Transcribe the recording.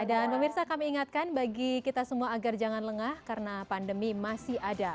dan pemirsa kami ingatkan bagi kita semua agar jangan lengah karena pandemi masih ada